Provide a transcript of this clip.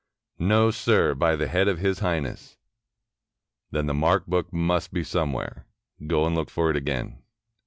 "No, sir, by the head of His Highness." "Then the mark book must be somewhere. Go and look for it again."